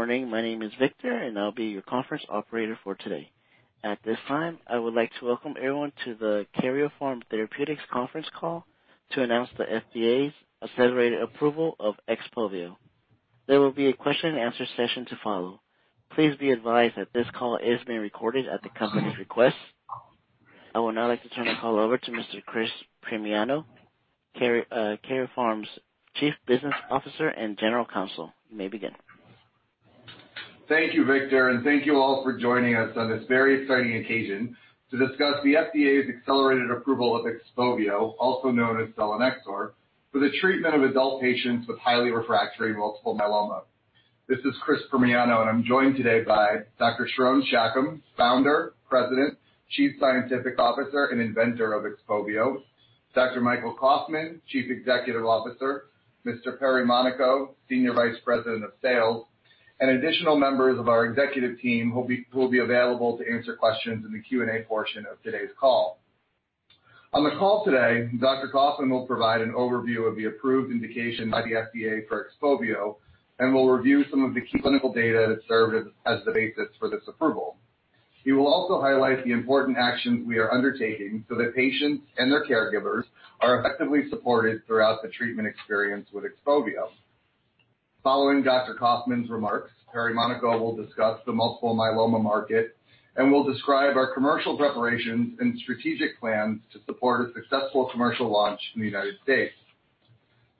Good morning. My name is Victor, and I'll be your conference operator for today. At this time, I would like to welcome everyone to the Karyopharm Therapeutics conference call to announce the FDA's accelerated approval of XPOVIO. There will be a question and answer session to follow. Please be advised that this call is being recorded at the company's request. I would now like to turn the call over to Mr. Chris Primiano, Karyopharm's Chief Business Officer and General Counsel. You may begin. Thank you, Victor. Thank you all for joining us on this very exciting occasion to discuss the FDA's accelerated approval of XPOVIO, also known as selinexor, for the treatment of adult patients with highly refractory multiple myeloma. This is Chris Primiano. I'm joined today by Dr. Sharon Shacham, Founder, President, Chief Scientific Officer, and inventor of XPOVIO, Dr. Michael Kauffman, Chief Executive Officer, Mr. Perry Monaco, Senior Vice President of Sales, and additional members of our executive team who will be available to answer questions in the Q&A portion of today's call. On the call today, Dr. Kauffman will provide an overview of the approved indication by the FDA for XPOVIO and will review some of the key clinical data that served as the basis for this approval. He will also highlight the important actions we are undertaking so that patients and their caregivers are effectively supported throughout the treatment experience with XPOVIO. Following Dr. Kauffman's remarks, Perry Monaco will discuss the multiple myeloma market and will describe our commercial preparations and strategic plans to support a successful commercial launch in the United States.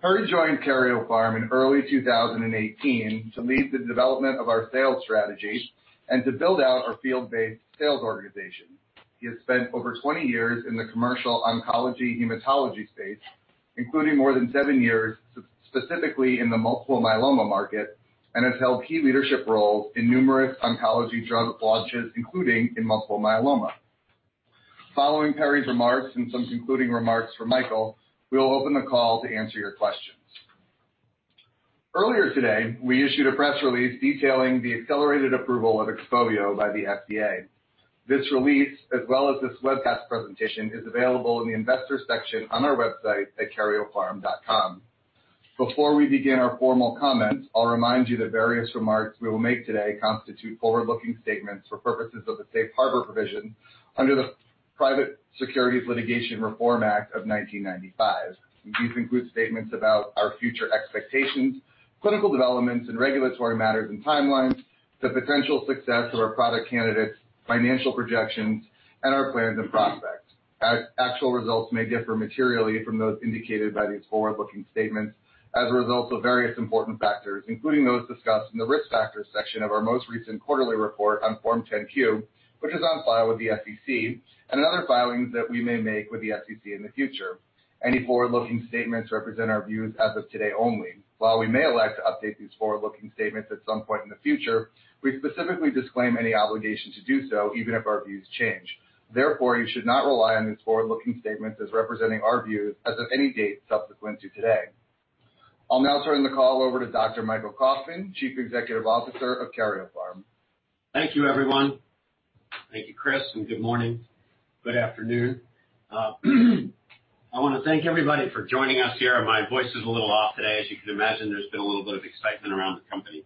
Perry joined Karyopharm in early 2018 to lead the development of our sales strategy and to build out our field-based sales organization. He has spent over 20 years in the commercial oncology hematology space, including more than seven years specifically in the multiple myeloma market, and has held key leadership roles in numerous oncology drug launches, including in multiple myeloma. Following Perry's remarks and some concluding remarks from Michael, we will open the call to answer your questions. Earlier today, we issued a press release detailing the accelerated approval of XPOVIO by the FDA. This release, as well as this webcast presentation, is available in the Investors section on our website at karyopharm.com. Before we begin our formal comments, I'll remind you that various remarks we will make today constitute forward-looking statements for purposes of the safe harbor provision under the Private Securities Litigation Reform Act of 1995. These include statements about our future expectations, clinical developments and regulatory matters and timelines, the potential success of our product candidates, financial projections, our plans and prospects. Actual results may differ materially from those indicated by these forward-looking statements as a result of various important factors, including those discussed in the Risk Factors section of our most recent quarterly report on Form 10-Q, which is on file with the SEC and in other filings that we may make with the SEC in the future. Any forward-looking statements represent our views as of today only. While we may elect to update these forward-looking statements at some point in the future, we specifically disclaim any obligation to do so, even if our views change. You should not rely on these forward-looking statements as representing our views as of any date subsequent to today. I'll now turn the call over to Dr. Michael Kauffman, Chief Executive Officer of Karyopharm. Thank you, everyone. Thank you, Chris. Good morning. Good afternoon. I want to thank everybody for joining us here. My voice is a little off today. As you can imagine, there's been a little bit of excitement around the company.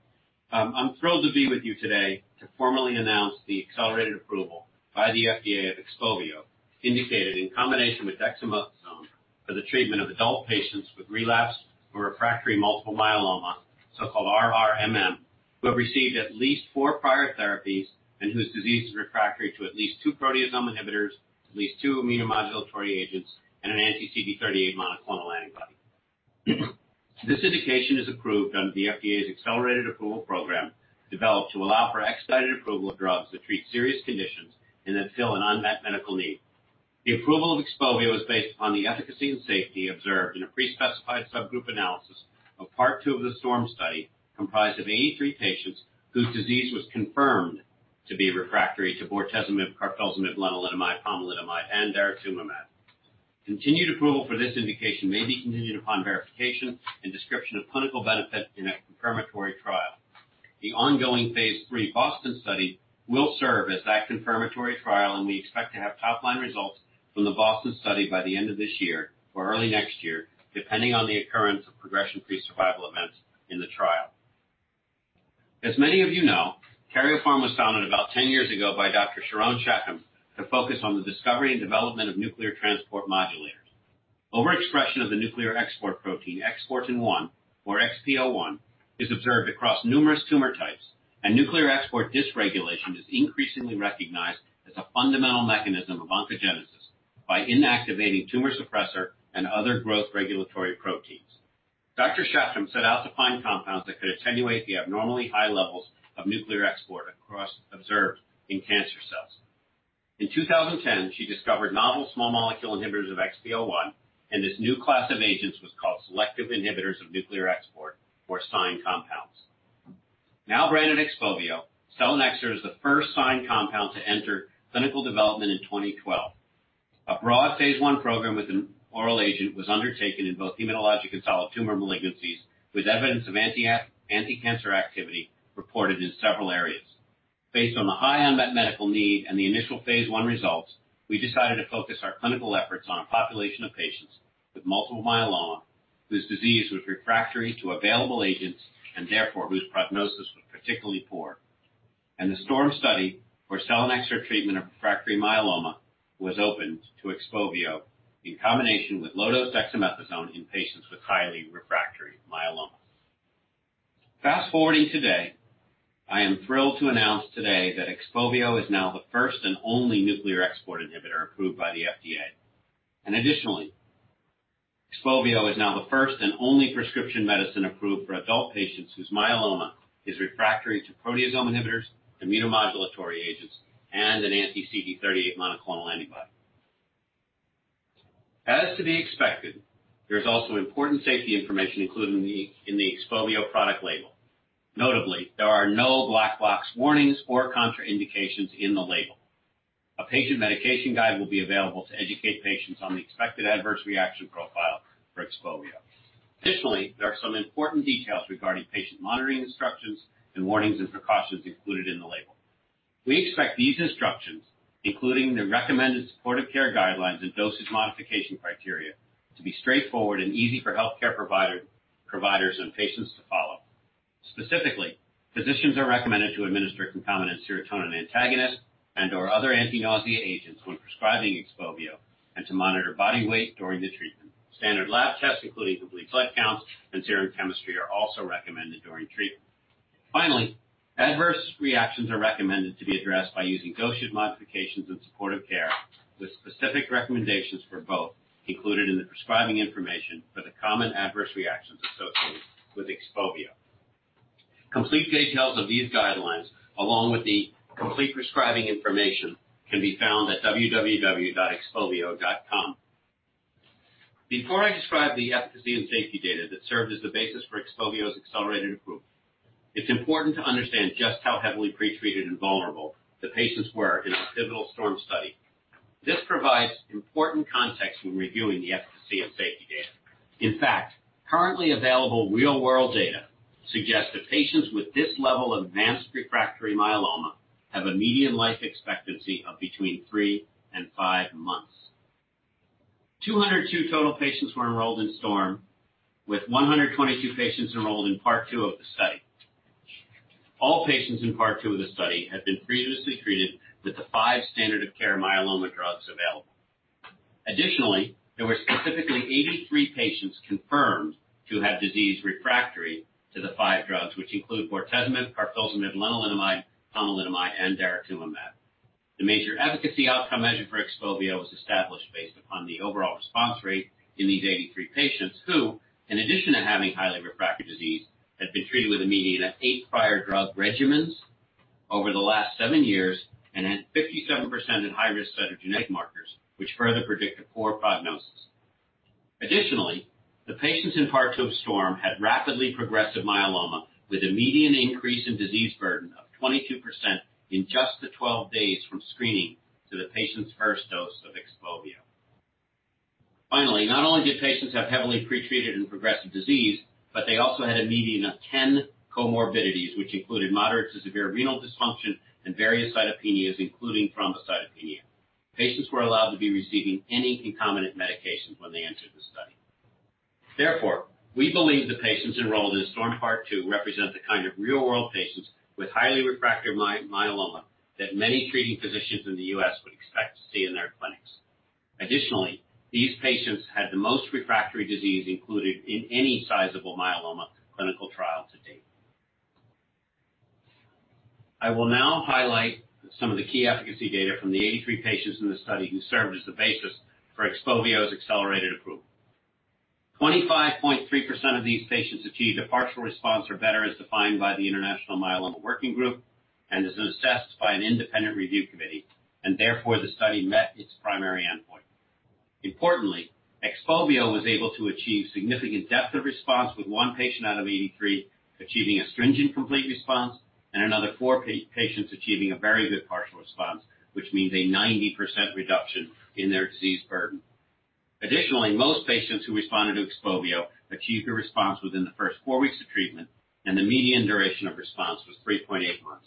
I'm thrilled to be with you today to formally announce the accelerated approval by the FDA of XPOVIO, indicated in combination with dexamethasone for the treatment of adult patients with relapsed or refractory multiple myeloma, so-called RRMM, who have received at least four prior therapies and whose disease is refractory to at least two proteasome inhibitors, at least two immunomodulatory agents, and an anti-CD38 monoclonal antibody. This indication is approved under the FDA's accelerated approval program, developed to allow for expedited approval of drugs that treat serious conditions and that fill an unmet medical need. The approval of XPOVIO is based on the efficacy and safety observed in a pre-specified subgroup analysis of part II of the STORM study, comprised of 83 patients whose disease was confirmed to be refractory to bortezomib, carfilzomib, lenalidomide, pomalidomide, and daratumumab. Continued approval for this indication may be contingent upon verification and description of clinical benefit in a confirmatory trial. The ongoing phase III BOSTON study will serve as that confirmatory trial. We expect to have top-line results from the BOSTON study by the end of this year or early next year, depending on the occurrence of progression-free survival events in the trial. As many of you know, Karyopharm was founded about 10 years ago by Dr. Sharon Shacham to focus on the discovery and development of nuclear transport modulators. Overexpression of the nuclear export protein, Exportin 1 or XPO1, is observed across numerous tumor types. Nuclear export dysregulation is increasingly recognized as a fundamental mechanism of oncogenesis by inactivating tumor suppressor and other growth regulatory proteins. Dr. Shacham set out to find compounds that could attenuate the abnormally high levels of nuclear export observed in cancer cells. In 2010, she discovered novel small molecule inhibitors of XPO1. This new class of agents was called selective inhibitors of nuclear export, or SINE compounds. Now branded XPOVIO, selinexor is the first SINE compound to enter clinical development in 2012. A broad phase I program with an oral agent was undertaken in both hematologic and solid tumor malignancies, with evidence of anticancer activity reported in several areas. Based on the high unmet medical need and the initial phase I results, we decided to focus our clinical efforts on a population of patients with multiple myeloma whose disease was refractory to available agents and therefore whose prognosis was particularly poor. The STORM study for selinexor treatment of refractory myeloma was opened to XPOVIO in combination with low-dose dexamethasone in patients with highly refractory myeloma. Fast-forwarding to today, I am thrilled to announce today that XPOVIO is now the first and only nuclear export inhibitor approved by the FDA. Additionally, XPOVIO is now the first and only prescription medicine approved for adult patients whose myeloma is refractory to proteasome inhibitors, immunomodulatory agents, and an anti-CD38 monoclonal antibody. As to be expected, there is also important safety information included in the XPOVIO product label. Notably, there are no black box warnings or contraindications in the label. A patient medication guide will be available to educate patients on the expected adverse reaction profile for XPOVIO. Additionally, there are some important details regarding patient monitoring instructions and warnings and precautions included in the label. We expect these instructions, including the recommended supportive care guidelines and dosage modification criteria, to be straightforward and easy for healthcare providers and patients to follow. Specifically, physicians are recommended to administer concomitant serotonin antagonists and/or other anti-nausea agents when prescribing XPOVIO and to monitor body weight during the treatment. Standard lab tests, including complete blood count and serum chemistry, are also recommended during treatment. Finally, adverse reactions are recommended to be addressed by using dosage modifications and supportive care, with specific recommendations for both included in the prescribing information for the common adverse reactions associated with XPOVIO. Complete details of these guidelines, along with the complete prescribing information, can be found at www.xpovio.com. Before I describe the efficacy and safety data that served as the basis for XPOVIO's accelerated approval, it is important to understand just how heavily pretreated and vulnerable the patients were in our pivotal STORM study. This provides important context when reviewing the efficacy and safety data. In fact, currently available real-world data suggests that patients with this level of advanced refractory myeloma have a median life expectancy of between three and five months. 202 total patients were enrolled in STORM, with 122 patients enrolled in part II of the study. All patients in part II of the study had been previously treated with the five standard of care myeloma drugs available. Additionally, there were specifically 83 patients confirmed to have disease refractory to the five drugs, which include bortezomib, carfilzomib, lenalidomide, pomalidomide, and daratumumab. The major efficacy outcome measure for XPOVIO was established based upon the overall response rate in these 83 patients who, in addition to having highly refractory disease, had been treated with a median of eight prior drug regimens over the last seven years and had 57% in high-risk cytogenetic markers, which further predict a poor prognosis. Additionally, the patients in part II of STORM had rapidly progressive myeloma with a median increase in disease burden of 22% in just the 12 days from screening to the patient's first dose of XPOVIO. Not only did patients have heavily pretreated and progressive disease, they also had a median of 10 comorbidities, which included moderate to severe renal dysfunction and various cytopenias, including thrombocytopenia. Patients were allowed to be receiving any concomitant medications when they entered the study. We believe the patients enrolled in the STORM part II represent the kind of real-world patients with highly refractory myeloma that many treating physicians in the U.S. would expect to see in their clinics. Additionally, these patients had the most refractory disease included in any sizable myeloma clinical trial to date. I will now highlight some of the key efficacy data from the 83 patients in the study who served as the basis for XPOVIO's accelerated approval. 25.3% of these patients achieved a partial response or better, as defined by the International Myeloma Working Group, and as assessed by an independent review committee. Therefore, the study met its primary endpoint. Importantly, XPOVIO was able to achieve significant depth of response, with one patient out of 83 achieving a stringent complete response and another four patients achieving a very good partial response, which means a 90% reduction in their disease burden. Most patients who responded to XPOVIO achieved a response within the first four weeks of treatment, and the median duration of response was 3.8 months.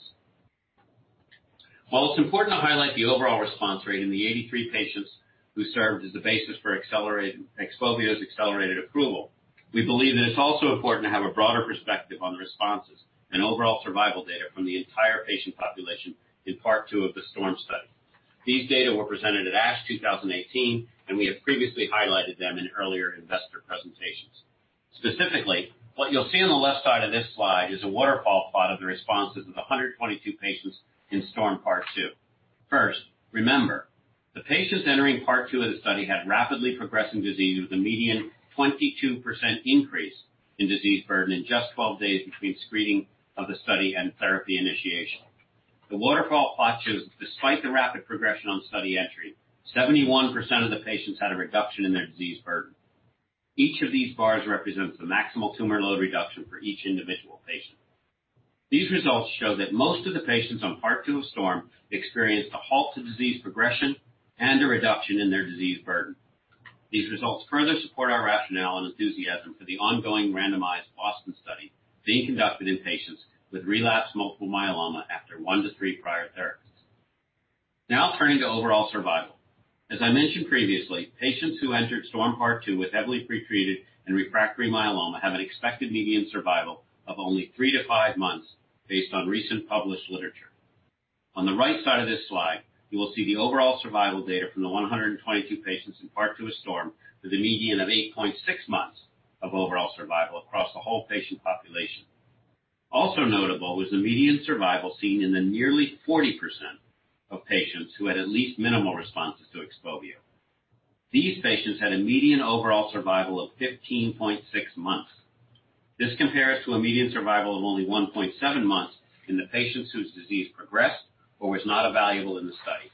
While it's important to highlight the overall response rate in the 83 patients who served as the basis for XPOVIO's accelerated approval, we believe that it's also important to have a broader perspective on the responses and overall survival data from the entire patient population in part II of the STORM study. These data were presented at ASH 2018. We have previously highlighted them in earlier investor presentations. Specifically, what you'll see on the left side of this slide is a waterfall plot of the responses of 122 patients in STORM part II. Remember, the patients entering part II of the study had rapidly progressing disease with a median 22% increase in disease burden in just 12 days between screening of the study and therapy initiation. The waterfall plot shows despite the rapid progression on study entry, 71% of the patients had a reduction in their disease burden. Each of these bars represents the maximal tumor load reduction for each individual patient. These results show that most of the patients on part II of STORM experienced a halt to disease progression and a reduction in their disease burden. These results further support our rationale and enthusiasm for the ongoing randomized BOSTON study being conducted in patients with relapsed multiple myeloma after one to three prior therapies. Turning to overall survival. As I mentioned previously, patients who entered STORM part II with heavily pretreated and refractory myeloma have an expected median survival of only three to five months based on recent published literature. On the right side of this slide, you will see the overall survival data from the 122 patients in part II of STORM with a median of 8.6 months of overall survival across the whole patient population. Also notable was the median survival seen in the nearly 40% of patients who had at least minimal responses to XPOVIO. These patients had a median overall survival of 15.6 months. This compares to a median survival of only 1.7 months in the patients whose disease progressed or was not evaluable in the study.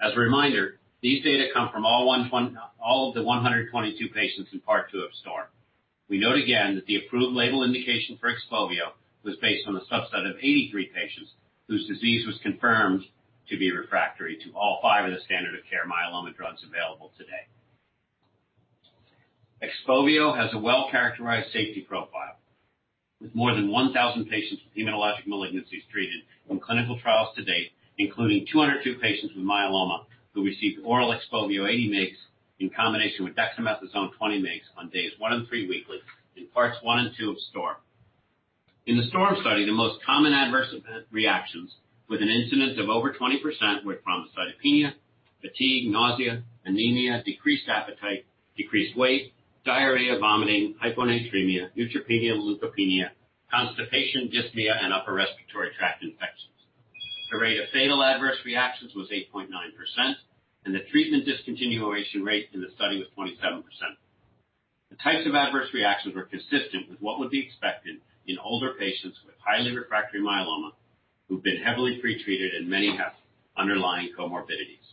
As a reminder, these data come from all of the 122 patients in part II of STORM. We note again that the approved label indication for XPOVIO was based on the subset of 83 patients whose disease was confirmed to be refractory to all five of the standard of care myeloma drugs available today. XPOVIO has a well-characterized safety profile, with more than 1,000 patients with hematologic malignancies treated in clinical trials to date, including 202 patients with myeloma who received oral XPOVIO 80 mg in combination with dexamethasone 20 mg on days one and three weekly in parts I and II of STORM. In the STORM study, the most common adverse event reactions with an incidence of over 20% were thrombocytopenia, fatigue, nausea, anemia, decreased appetite, decreased weight, diarrhea, vomiting, hyponatremia, neutropenia, leukopenia, constipation, dyspnea, and upper respiratory tract infections. The rate of fatal adverse reactions was 8.9%, and the treatment discontinuation rate in the study was 27%. The types of adverse reactions were consistent with what would be expected in older patients with highly refractory myeloma who've been heavily pretreated and many have underlying comorbidities.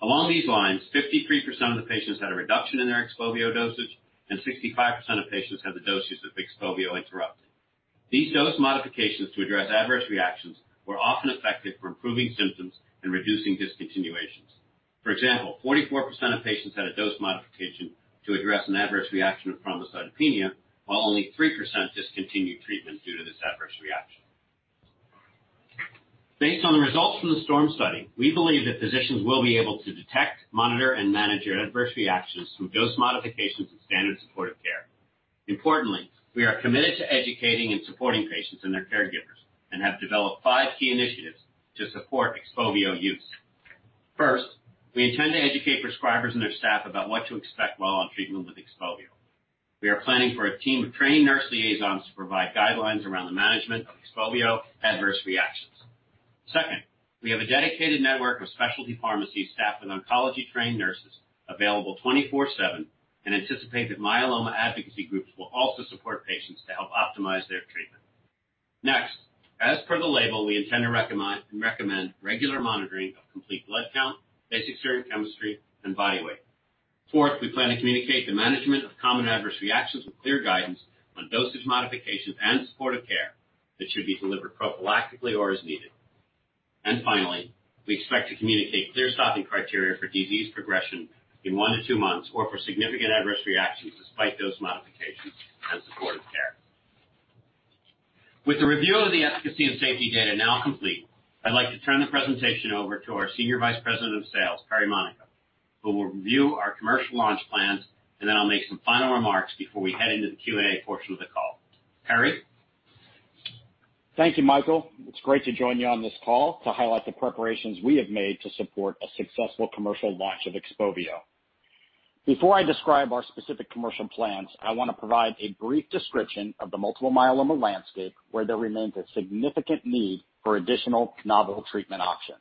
Along these lines, 53% of the patients had a reduction in their XPOVIO dosage, and 65% of patients had the dosage of XPOVIO interrupted. These dose modifications to address adverse reactions were often effective for improving symptoms and reducing discontinuations. For example, 44% of patients had a dose modification to address an adverse reaction of thrombocytopenia, while only 3% discontinued treatment due to this adverse reaction. Based on the results from the STORM study, we believe that physicians will be able to detect, monitor, and manage adverse reactions through dose modifications and standard supportive care. Importantly, we are committed to educating and supporting patients and their caregivers and have developed five key initiatives to support XPOVIO use. First, we intend to educate prescribers and their staff about what to expect while on treatment with XPOVIO. We are planning for a team of trained nurse liaisons to provide guidelines around the management of XPOVIO adverse reactions. Second, we have a dedicated network of specialty pharmacy staff and oncology-trained nurses available 24/7 and anticipate that myeloma advocacy groups will also support patients to help optimize their treatment. Next, as per the label, we intend to recommend regular monitoring of complete blood count, basic serum chemistry, and body weight. Fourth, we plan to communicate the management of common adverse reactions with clear guidance on dosage modifications and supportive care that should be delivered prophylactically or as needed. Finally, we expect to communicate clear stopping criteria for disease progression in one to two months or for significant adverse reactions despite those modifications and supportive care. With the review of the efficacy and safety data now complete, I'd like to turn the presentation over to our Senior Vice President of Sales, Perry Monaco, who will review our commercial launch plans, then I'll make some final remarks before we head into the Q&A portion of the call. Perry? Thank you, Michael. It's great to join you on this call to highlight the preparations we have made to support a successful commercial launch of XPOVIO. Before I describe our specific commercial plans, I want to provide a brief description of the multiple myeloma landscape where there remains a significant need for additional novel treatment options.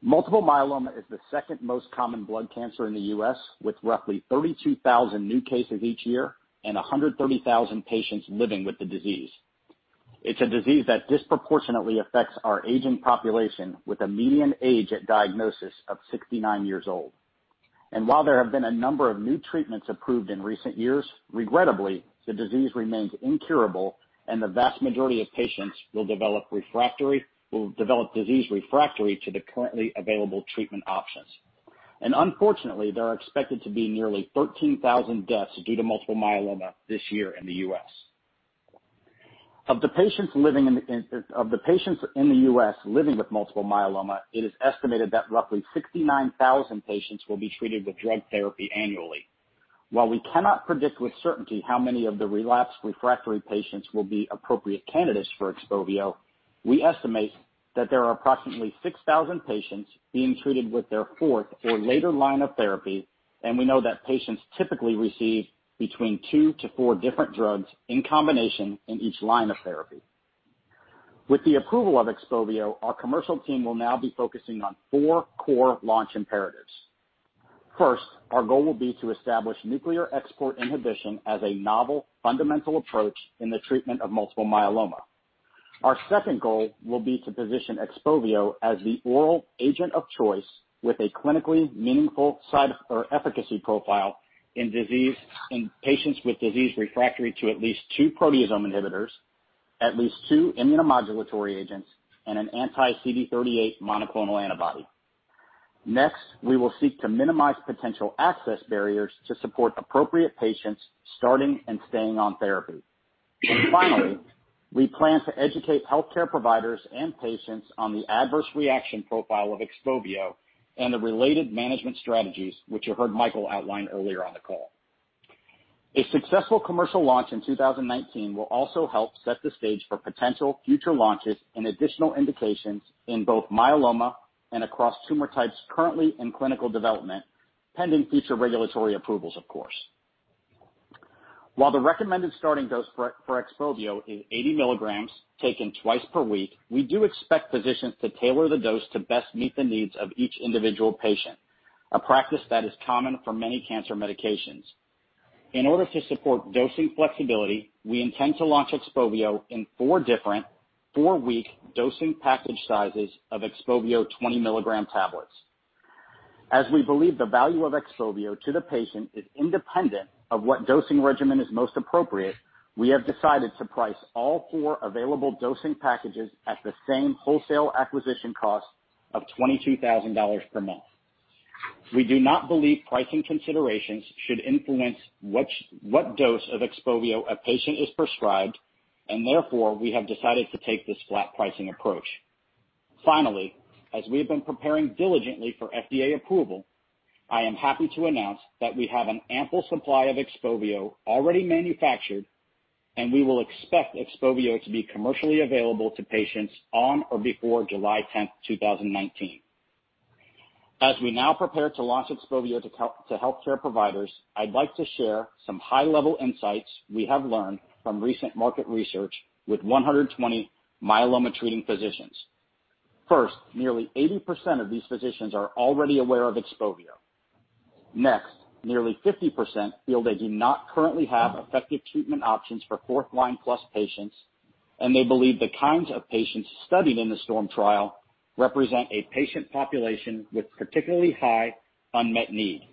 Multiple myeloma is the second most common blood cancer in the U.S., with roughly 32,000 new cases each year and 130,000 patients living with the disease. It's a disease that disproportionately affects our aging population with a median age at diagnosis of 69 years old. While there have been a number of new treatments approved in recent years, regrettably, the disease remains incurable, and the vast majority of patients will develop disease refractory to the currently available treatment options. Unfortunately, there are expected to be nearly 13,000 deaths due to multiple myeloma this year in the U.S. Of the patients in the U.S. living with multiple myeloma, it is estimated that roughly 69,000 patients will be treated with drug therapy annually. While we cannot predict with certainty how many of the relapsed refractory patients will be appropriate candidates for XPOVIO, we estimate that there are approximately 6,000 patients being treated with their fourth or later line of therapy, and we know that patients typically receive between two to four different drugs in combination in each line of therapy. With the approval of XPOVIO, our commercial team will now be focusing on four core launch imperatives. First, our goal will be to establish nuclear export inhibition as a novel, fundamental approach in the treatment of multiple myeloma. Our second goal will be to position XPOVIO as the oral agent of choice with a clinically meaningful efficacy profile in patients with disease refractory to at least two proteasome inhibitors, at least two immunomodulatory agents and an anti-CD38 monoclonal antibody. Next, we will seek to minimize potential access barriers to support appropriate patients starting and staying on therapy. Finally, we plan to educate healthcare providers and patients on the adverse reaction profile of XPOVIO and the related management strategies, which you heard Michael outline earlier on the call. A successful commercial launch in 2019 will also help set the stage for potential future launches and additional indications in both myeloma and across tumor types currently in clinical development, pending future regulatory approvals, of course. While the recommended starting dose for XPOVIO is 80 mg taken twice per week, we do expect physicians to tailor the dose to best meet the needs of each individual patient, a practice that is common for many cancer medications. In order to support dosing flexibility, we intend to launch XPOVIO in four different, four-week dosing package sizes of XPOVIO 20 mg tablets. As we believe the value of XPOVIO to the patient is independent of what dosing regimen is most appropriate, we have decided to price all four available dosing packages at the same wholesale acquisition cost of $22,000 per month. We do not believe pricing considerations should influence what dose of XPOVIO a patient is prescribed; therefore, we have decided to take this flat pricing approach. As we have been preparing diligently for FDA approval, I am happy to announce that we have an ample supply of XPOVIO already manufactured, we will expect XPOVIO to be commercially available to patients on or before July 10th, 2019. As we now prepare to launch XPOVIO to healthcare providers, I'd like to share some high-level insights we have learned from recent market research with 120 myeloma-treating physicians. First, nearly 80% of these physicians are already aware of XPOVIO. Next, nearly 50% feel they do not currently have effective treatment options for fourth-line-plus patients, they believe the kinds of patients studied in the STORM trial represent a patient population with particularly high unmet need.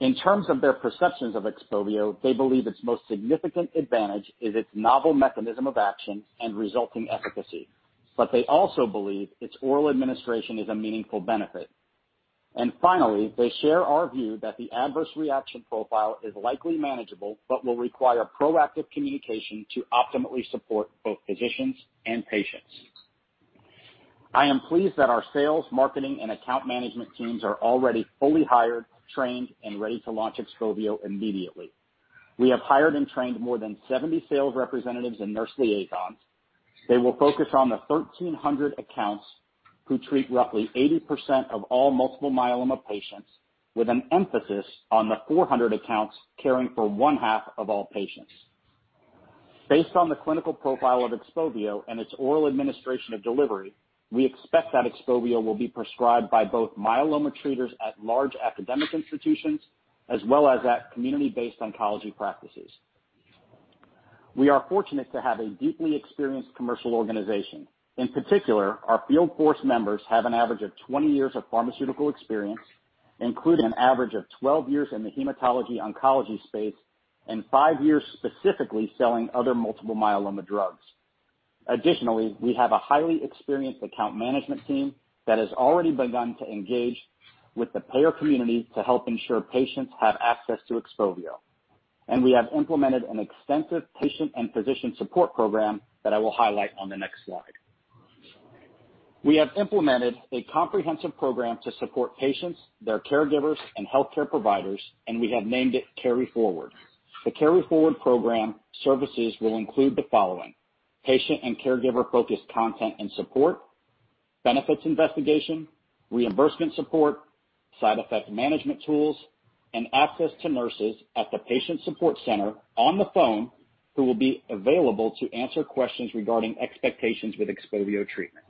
In terms of their perceptions of XPOVIO, they believe its most significant advantage is its novel mechanism of action and resulting efficacy. They also believe its oral administration is a meaningful benefit. Finally, they share our view that the adverse reaction profile is likely manageable but will require proactive communication to optimally support both physicians and patients. I am pleased that our sales, marketing, and account management teams are already fully hired, trained, and ready to launch XPOVIO immediately. We have hired and trained more than 70 sales representatives and nurse liaisons. They will focus on the 1,300 accounts who treat roughly 80% of all multiple myeloma patients, with an emphasis on the 400 accounts caring for one-half of all patients. Based on the clinical profile of XPOVIO and its oral administration of delivery, we expect that XPOVIO will be prescribed by both myeloma treaters at large academic institutions as well as at community-based oncology practices. We are fortunate to have a deeply experienced commercial organization. In particular, our field force members have an average of 20 years of pharmaceutical experience, including an average of 12 years in the hematology/oncology space and five years specifically selling other multiple myeloma drugs. Additionally, we have a highly experienced account management team that has already begun to engage with the payer community to help ensure patients have access to XPOVIO. We have implemented an extensive patient and physician support program that I will highlight on the next slide. We have implemented a comprehensive program to support patients, their caregivers, and healthcare providers, we have named it KaryForward. The KaryForward program services will include the following: patient and caregiver-focused content and support, benefits investigation, reimbursement support, side effect management tools, and access to nurses at the patient support center on the phone who will be available to answer questions regarding expectations with XPOVIO treatment.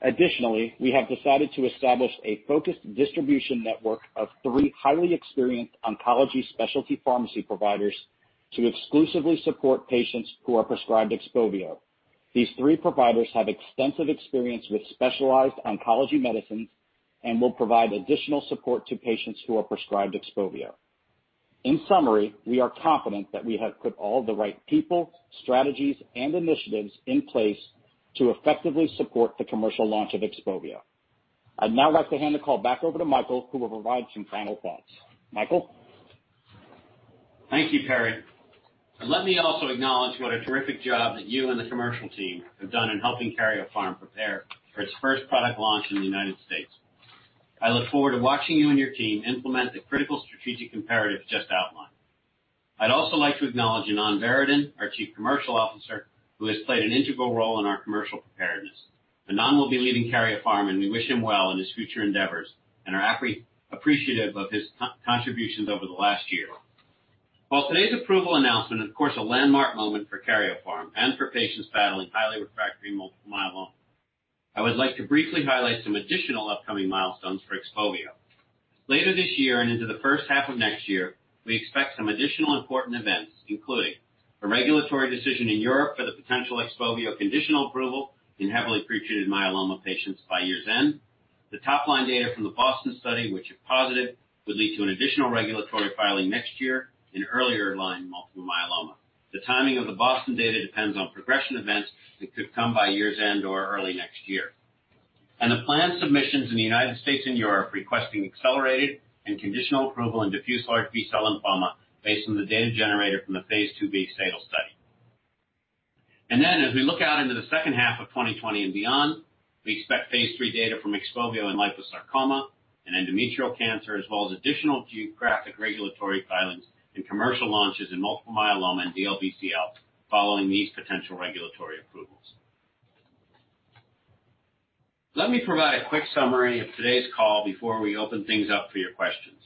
Additionally, we have decided to establish a focused distribution network of three highly experienced oncology specialty pharmacy providers to exclusively support patients who are prescribed XPOVIO. These three providers have extensive experience with specialized oncology medicines and will provide additional support to patients who are prescribed XPOVIO. In summary, we are confident that we have put all the right people, strategies, and initiatives in place to effectively support the commercial launch of XPOVIO. I'd now like to hand the call back over to Michael, who will provide some final thoughts. Michael? Thank you, Perry. Let me also acknowledge what a terrific job that you and the commercial team have done in helping Karyopharm prepare for its first product launch in the United States. I look forward to watching you and your team implement the critical strategic comparative just outlined. I'd also like to acknowledge Anand Varadan, our Chief Commercial Officer, who has played an integral role in our commercial preparedness. Anand will be leaving Karyopharm, and we wish him well in his future endeavors and are appreciative of his contributions over the last year. While today's approval announcement, of course, a landmark moment for Karyopharm and for patients battling highly refractory multiple myeloma, I would like to briefly highlight some additional upcoming milestones for XPOVIO. Later this year and into the first half of next year, we expect some additional important events, including a regulatory decision in Europe for the potential XPOVIO conditional approval in heavily pretreated myeloma patients by year's end. The top-line data from the BOSTON study, which if positive, would lead to an additional regulatory filing next year in earlier line multiple myeloma. The timing of the BOSTON data depends on progression events that could come by year's end or early next year. The planned submissions in the United States and Europe requesting accelerated and conditional approval in diffuse large B-cell lymphoma based on the data generated from the phase II-B SADAL study. As we look out into the second half of 2020 and beyond, we expect phase III data from XPOVIO in liposarcoma and endometrial cancer, as well as additional geographic regulatory filings and commercial launches in multiple myeloma and DLBCL following these potential regulatory approvals. Let me provide a quick summary of today's call before we open things up for your questions.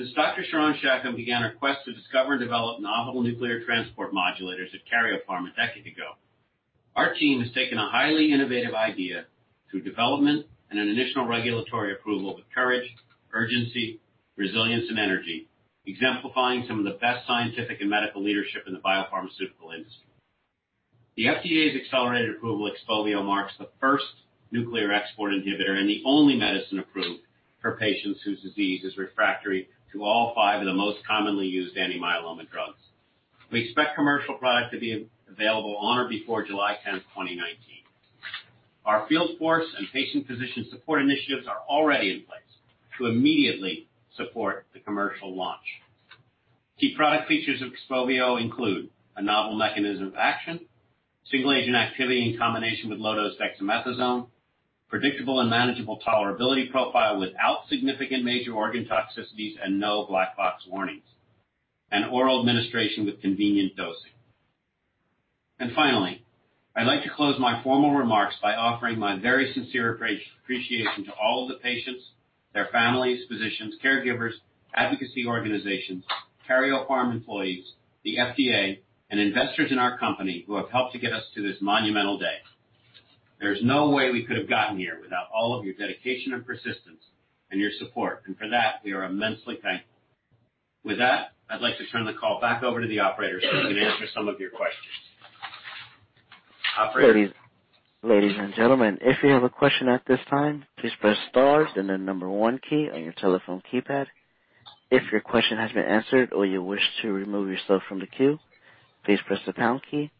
Since Dr. Sharon Shacham began her quest to discover and develop novel nuclear transport modulators at Karyopharm a decade ago, our team has taken a highly innovative idea through development and an initial regulatory approval with courage, urgency, resilience, and energy, exemplifying some of the best scientific and medical leadership in the biopharmaceutical industry. The FDA's accelerated approval of XPOVIO marks the first nuclear export inhibitor and the only medicine approved for patients whose disease is refractory to all five of the most commonly used anti-myeloma drugs. We expect commercial product to be available on or before July 10th, 2019. Our field force and patient physician support initiatives are already in place to immediately support the commercial launch. Key product features of XPOVIO include a novel mechanism of action, single-agent activity in combination with low-dose dexamethasone, predictable and manageable tolerability profile without significant major organ toxicities and no black box warnings, and oral administration with convenient dosing. Finally, I'd like to close my formal remarks by offering my very sincere appreciation to all the patients, their families, physicians, caregivers, advocacy organizations, Karyopharm employees, the FDA, and investors in our company who have helped to get us to this monumental day. There's no way we could have gotten here without all of your dedication and persistence and your support, and for that, we are immensely thankful. With that, I'd like to turn the call back over to the operator so we can answer some of your questions. Operator? Ladies and gentlemen, if you have a question at this time, please press star, then the number one key on your telephone keypad. If your question has been answered or you wish to remove yourself from the queue, please press the pound key.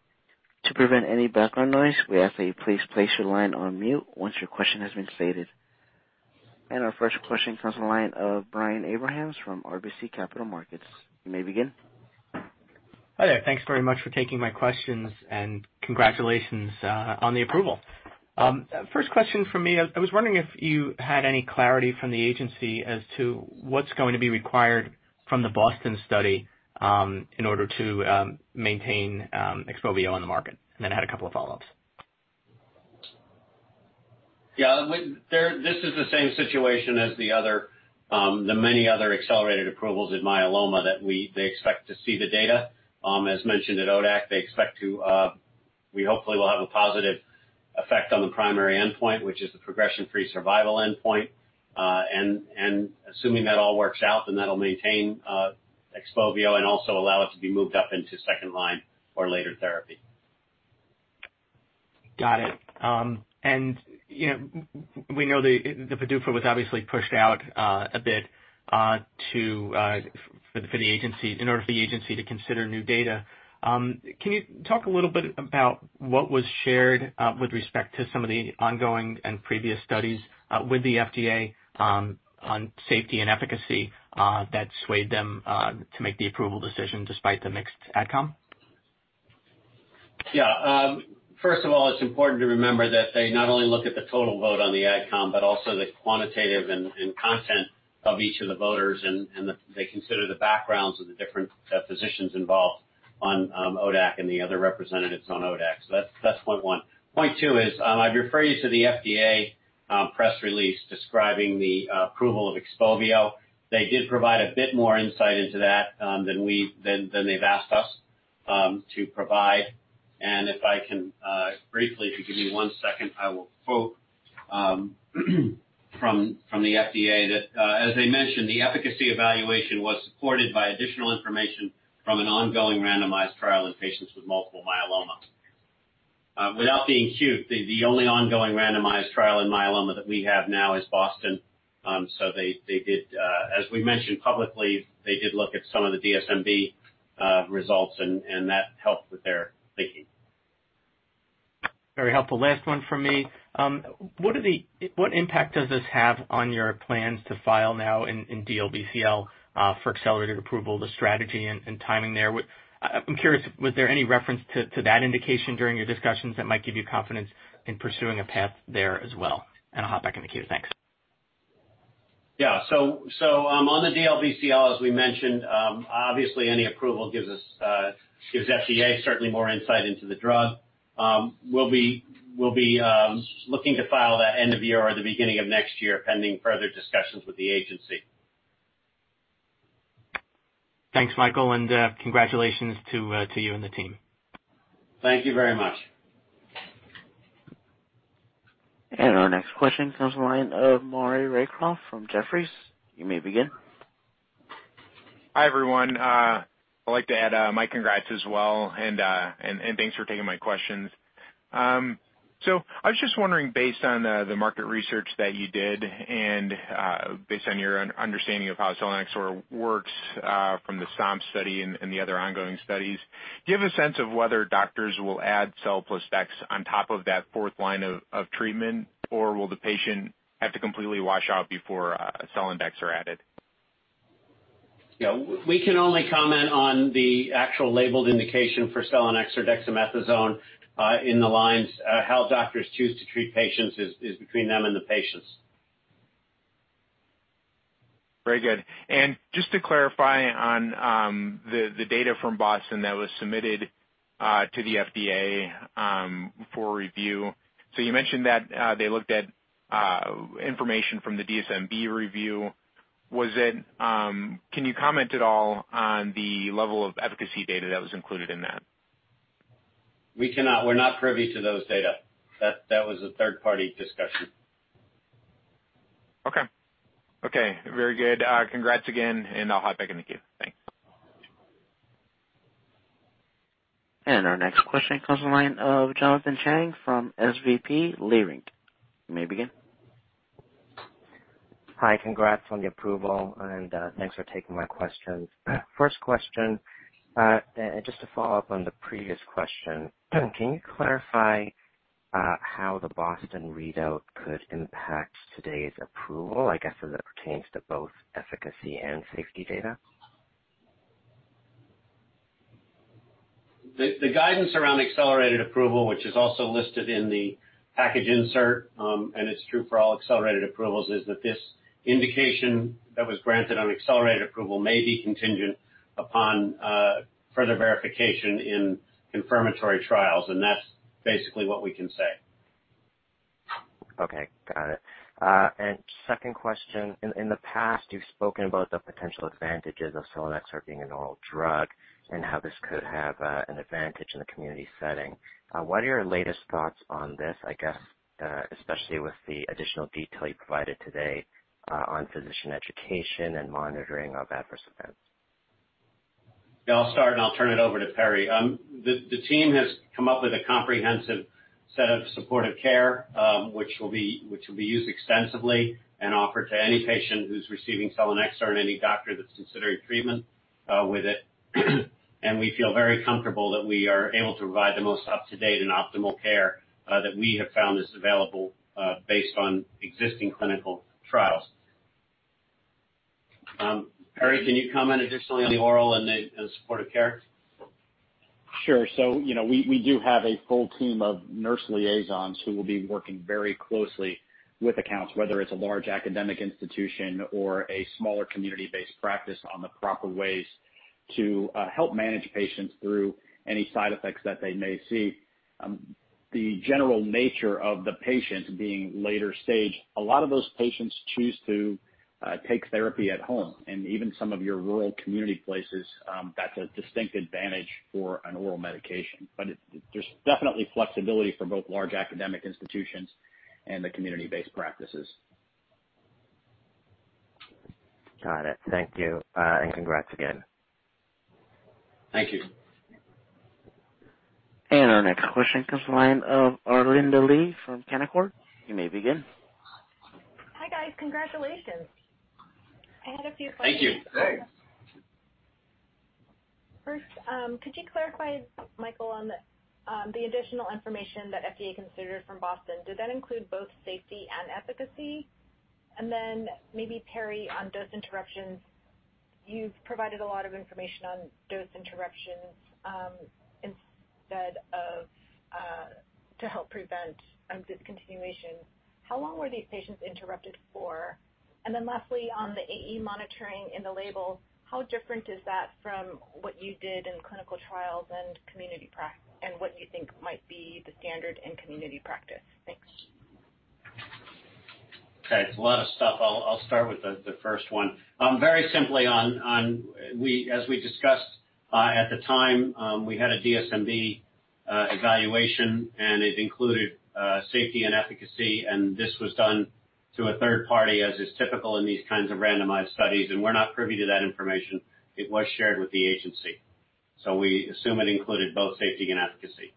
To prevent any background noise, we ask that you please place your line on mute once your question has been stated. Our first question comes on the line of Brian Abrahams from RBC Capital Markets. You may begin. Hi there. Thanks very much for taking my questions and congratulations on the approval. First question from me, I was wondering if you had any clarity from the agency as to what's going to be required from the BOSTON study in order to maintain XPOVIO on the market, and then I had a couple of follow-ups. This is the same situation as the many other accelerated approvals in multiple myeloma that they expect to see the data. As mentioned at ODAC, we hopefully will have a positive effect on the primary endpoint, which is the progression-free survival endpoint. Assuming that all works out, that'll maintain XPOVIO and also allow it to be moved up into second line or later therapy. Got it. We know the PDUFA was obviously pushed out a bit in order for the agency to consider new data. Can you talk a little bit about what was shared with respect to some of the ongoing and previous studies with the FDA on safety and efficacy that swayed them to make the approval decision despite the mixed adcom? First of all, it's important to remember that they not only look at the total vote on the adcom, but also the quantitative and content of each of the voters and they consider the backgrounds of the different physicians involved on ODAC and the other representatives on ODAC. That's point one. Point two is, I'd refer you to the FDA press release describing the approval of XPOVIO. They did provide a bit more insight into that than they've asked us to provide. If I can briefly, if you give me one second, I will quote from the FDA that, as they mentioned, "The efficacy evaluation was supported by additional information from an ongoing randomized trial in patients with multiple myeloma." Without being cute, the only ongoing randomized trial in multiple myeloma that we have now is BOSTON. They did, as we mentioned publicly, they did look at some of the DSMB results, that helped with their thinking. Very helpful. Last one from me. What impact does this have on your plans to file now in DLBCL for accelerated approval, the strategy and timing there? I'm curious, was there any reference to that indication during your discussions that might give you confidence in pursuing a path there as well? I'll hop back in the queue. Thanks. Yeah. On the DLBCL, as we mentioned, obviously any approval gives FDA certainly more insight into the drug. We'll be looking to file that end of year or the beginning of next year, pending further discussions with the agency. Thanks, Michael, congratulations to you and the team. Thank you very much. Our next question comes the line of Maury Raycroft from Jefferies. You may begin. Hi, everyone. I'd like to add my congrats as well, and thanks for taking my questions. I was just wondering, based on the market research that you did and based on your understanding of how selinexor works from the STORM study and the other ongoing studies, do you have a sense of whether doctors will add sel plus dex on top of that fourth line of treatment, or will the patient have to completely wash out before selinexor are added? Yeah. We can only comment on the actual labeled indication for selinexor dexamethasone in the lines. How doctors choose to treat patients is between them and the patients. Very good. Just to clarify on the data from BOSTON that was submitted to the FDA for review, so you mentioned that they looked at information from the DSMB review. Can you comment at all on the level of efficacy data that was included in that? We cannot. We're not privy to those data. That was a third-party discussion. Okay. Very good. Congrats again, and I'll hop back in the queue. Thanks. Our next question comes from the line of Jonathan Chang from SVB Leerink. You may begin. Hi. Congrats on the approval, and thanks for taking my questions. First question, just to follow up on the previous question, can you clarify how the BOSTON readout could impact today's approval, I guess, as it pertains to both efficacy and safety data? The guidance around accelerated approval, which is also listed in the package insert, and it's true for all accelerated approvals, is that this indication that was granted on accelerated approval may be contingent upon further verification in confirmatory trials, and that's basically what we can say. Okay. Got it. Second question, in the past, you've spoken about the potential advantages of selinexor being an oral drug and how this could have an advantage in the community setting. What are your latest thoughts on this, I guess, especially with the additional detail you provided today on physician education and monitoring of adverse events? Yeah, I'll start, and I'll turn it over to Perry. The team has come up with a comprehensive set of supportive care, which will be used extensively and offered to any patient who's receiving selinexor and any doctor that's considering treatment with it. We feel very comfortable that we are able to provide the most up-to-date and optimal care that we have found is available based on existing clinical trials. Perry, can you comment additionally on the oral and the supportive care? Sure. We do have a full team of nurse liaisons who will be working very closely with accounts, whether it's a large academic institution or a smaller community-based practice, on the proper ways to help manage patients through any side effects that they may see. The general nature of the patient being later stage, a lot of those patients choose to take therapy at home, and even some of your rural community places, that's a distinct advantage for an oral medication. There's definitely flexibility for both large academic institutions and the community-based practices. Got it. Thank you. Congrats again. Thank you. Our next question comes from the line of Arlinda Lee from Canaccord. You may begin. Hi, guys. Congratulations. I had a few questions. Thank you. Thanks. First, could you clarify, Michael, on the additional information that FDA considered from BOSTON, did that include both safety and efficacy? Maybe Perry, on dose interruptions, you've provided a lot of information on dose interruptions to help prevent discontinuation. How long were these patients interrupted for? Lastly, on the AE monitoring in the label, how different is that from what you did in clinical trials and community practice, and what you think might be the standard in community practice? Thanks. Okay. It's a lot of stuff. I'll start with the first one. Very simply, as we discussed at the time, we had a DSMB evaluation. It included safety and efficacy. This was done through a third party, as is typical in these kinds of randomized studies, and we're not privy to that information. It was shared with the agency, we assume it included both safety and efficacy.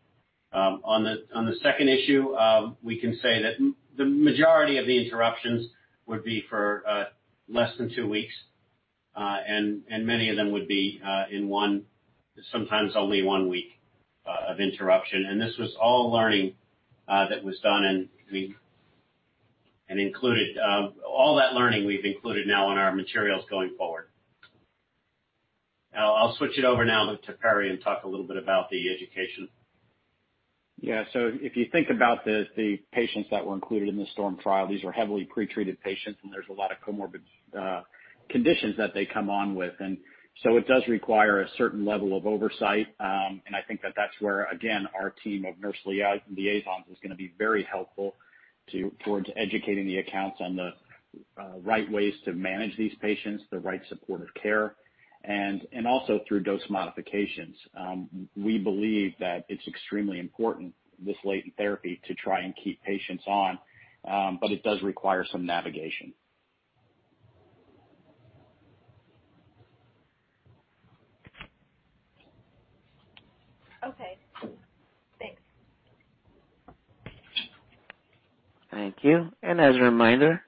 On the second issue, we can say that the majority of the interruptions would be for less than two weeks, many of them would be in sometimes only one week of interruption. This was all learning that was done, all that learning we've included now in our materials going forward. I'll switch it over now to Perry and talk a little bit about the education. Yeah. If you think about the patients that were included in the STORM trial, these are heavily pretreated patients, there's a lot of comorbid conditions that they come on with, it does require a certain level of oversight. I think that that's where, again, our team of nurse liaisons is going to be very helpful towards educating the accounts on the right ways to manage these patients, the right supportive care, and also through dose modifications. We believe that it's extremely important this late in therapy to try and keep patients on. It does require some navigation. Thank you. As a reminder,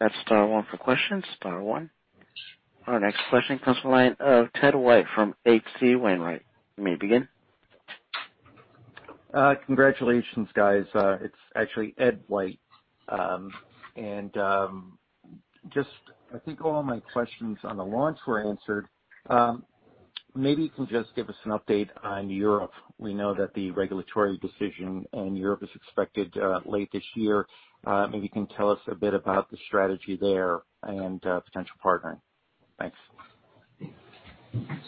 that's star one for questions, star one. Our next question comes from the line of Ed White from H.C. Wainwright. You may begin. Congratulations, guys. It's actually Ed White. I think all my questions on the launch were answered. Maybe you can just give us an update on Europe. We know that the regulatory decision in Europe is expected late this year. Maybe you can tell us a bit about the strategy there and potential partnering. Thanks.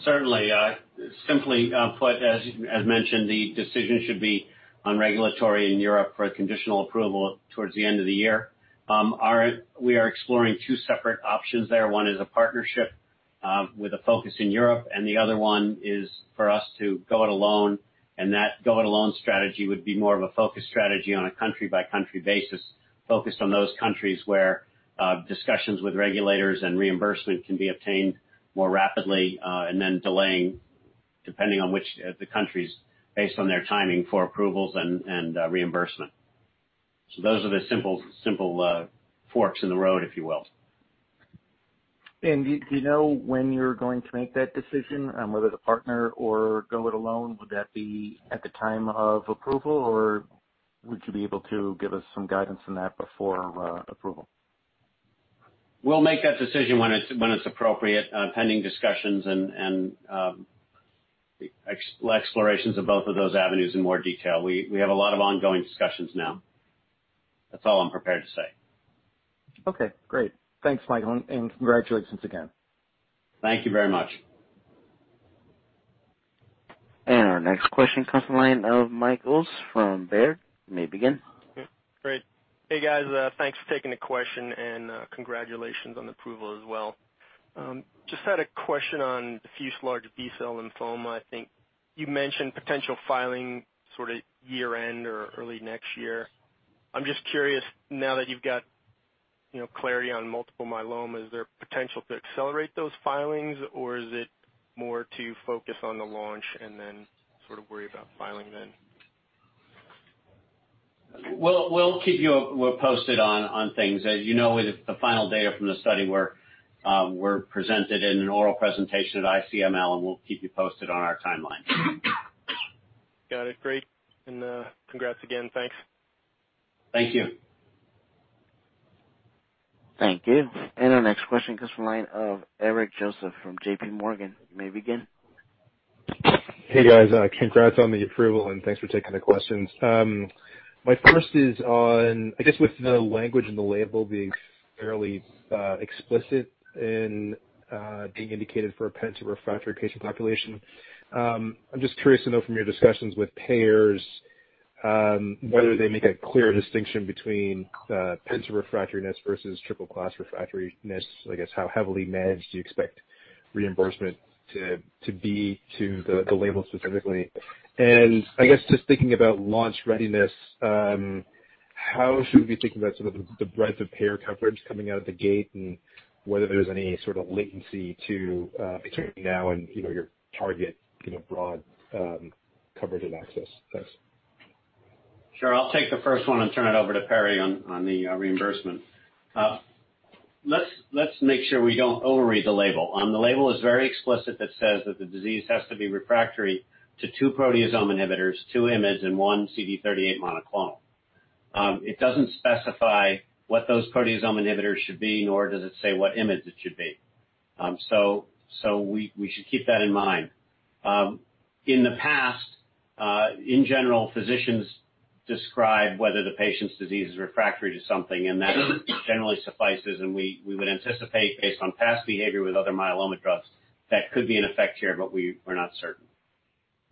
Certainly. Simply put, as mentioned, the decision should be on regulatory in Europe for a conditional approval towards the end of the year. We are exploring two separate options there. One is a partnership with a focus in Europe, the other one is for us to go it alone, that go it alone strategy would be more of a focus strategy on a country-by-country basis, focused on those countries where discussions with regulators and reimbursement can be obtained more rapidly, then delaying, depending on which the country is, based on their timing for approvals and reimbursement. Those are the simple forks in the road, if you will. Do you know when you're going to make that decision, whether to partner or go it alone? Would that be at the time of approval, or would you be able to give us some guidance on that before approval? We'll make that decision when it's appropriate, pending discussions and explorations of both of those avenues in more detail. We have a lot of ongoing discussions now. That's all I'm prepared to say. Okay, great. Thanks, Michael, and congratulations again. Thank you very much. Our next question comes from the line of Mike Ulz from Baird. You may begin. Great. Hey, guys. Thanks for taking the question, and congratulations on the approval as well. Just had a question on diffuse large B-cell lymphoma. I think you mentioned potential filing sort of year-end or early next year. I'm just curious, now that you've got clarity on multiple myeloma, is there potential to accelerate those filings, or is it more to focus on the launch and then sort of worry about filing then? We'll keep you posted on things. As you know, the final data from the study were presented in an oral presentation at ICML, and we'll keep you posted on our timeline. Got it. Great. Congrats again. Thanks. Thank you. Thank you. Our next question comes from the line of Eric Joseph from JPMorgan. You may begin. Hey, guys. Congrats on the approval, thanks for taking the questions. My first is on, I guess, with the language in the label being fairly explicit in being indicated for a penta-refractory patient population. I'm just curious to know from your discussions with payers whether they make a clear distinction between penta-refractoriness versus triple-class refractoriness. I guess, how heavily managed do you expect reimbursement to be to the label specifically? I guess just thinking about launch readiness, how should we be thinking about some of the breadth of payer coverage coming out of the gate and whether there's any sort of latency between now and your target broad coverage and access? Thanks. Sure. I'll take the first one and turn it over to Perry on the reimbursement. Let's make sure we don't overread the label. The label is very explicit that says that the disease has to be refractory to two proteasome inhibitors, two IMiDs, and one CD38 monoclonal. It doesn't specify what those proteasome inhibitors should be, nor does it say what IMiDs it should be. We should keep that in mind. In the past, in general, physicians describe whether the patient's disease is refractory to something, and that generally suffices, and we would anticipate based on past behavior with other myeloma drugs, that could be in effect here, but we're not certain.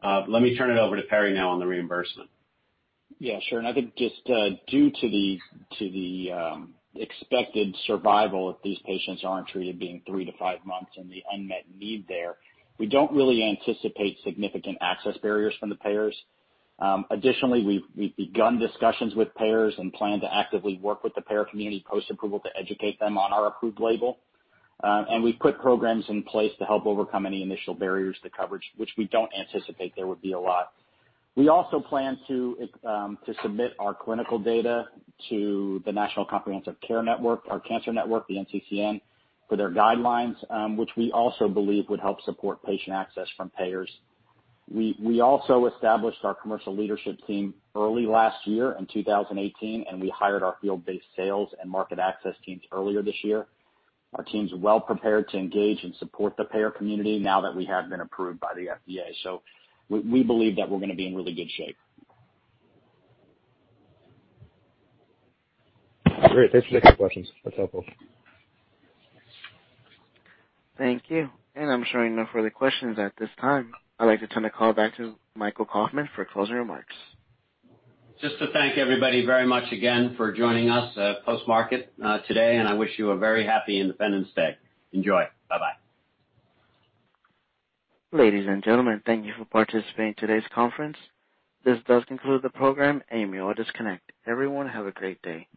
Let me turn it over to Perry now on the reimbursement. Yeah, sure. I think just due to the expected survival if these patients aren't treated, being three to five months and the unmet need there, we don't really anticipate significant access barriers from the payers. Additionally, we've begun discussions with payers and plan to actively work with the payer community post-approval to educate them on our approved label. We've put programs in place to help overcome any initial barriers to coverage, which we don't anticipate there would be a lot. We also plan to submit our clinical data to the National Comprehensive Cancer Network, the NCCN, for their guidelines, which we also believe would help support patient access from payers. We also established our commercial leadership team early last year in 2018, we hired our field-based sales and market access teams earlier this year. Our team's well prepared to engage and support the payer community now that we have been approved by the FDA. We believe that we're going to be in really good shape. Great. Thanks for the questions. That's helpful. Thank you. I'm showing no further questions at this time. I'd like to turn the call back to Michael Kauffman for closing remarks. Just to thank everybody very much again for joining us post-market today, I wish you a very happy Independence Day. Enjoy. Bye-bye. Ladies and gentlemen, thank you for participating in today's conference. This does conclude the program. You may all disconnect. Everyone have a great day.